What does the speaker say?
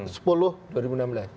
soal pemilihan gubernur